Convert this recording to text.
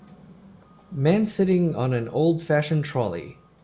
Man sitting on an old fashion trolley.